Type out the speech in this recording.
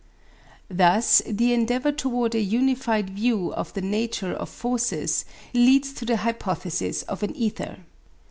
Thus the endeavour toward a unified view of the nature of forces leads to the hypothesis of an ether.